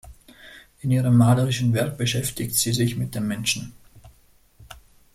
In ihrem malerischen Werk beschäftigt sie sich mit dem Menschen.